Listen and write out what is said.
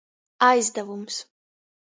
Aizdavums.